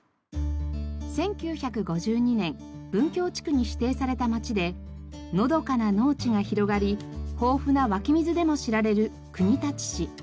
１９５２年文教地区に指定された町でのどかな農地が広がり豊富な湧き水でも知られる国立市。